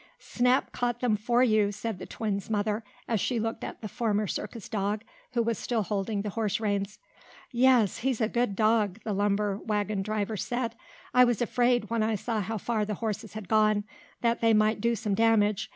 "Snap caught them for you," said the twins' mother, as she looked at the former circus dog, who was still holding the horse reins. "Yes, he's a good dog," the lumber wagon driver said. "I was afraid, when I saw how far the horses had gone, that they might do some damage.